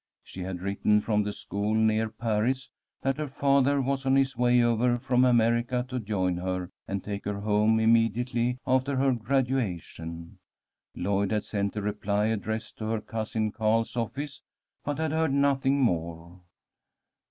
She had written from the school near Paris that her father was on his way over from America to join her and take her home immediately after her graduation. Lloyd had sent a reply addressed to her cousin Carl's office, but had heard nothing more.